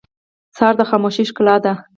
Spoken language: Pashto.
سهار د خاموشۍ ښکلا ده.